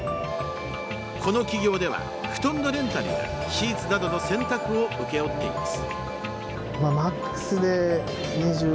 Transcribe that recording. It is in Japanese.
この企業では布団のレンタルやシーツなどの洗濯を請け負っています。